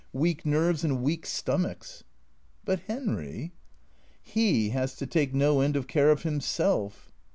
Weak nerves and weak stomachs." "But Henry "''' He has to take no end of care of himself."